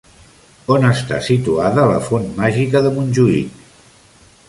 On està situada la Font màgica de Montjuïc?